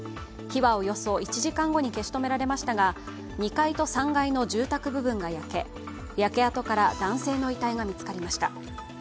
火はおよそ１時間後に消し止められましたが２階と３階の住宅部分が焼け焼け跡から男性の遺体が見つかりました。